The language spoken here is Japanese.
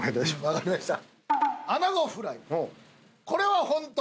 分かりました。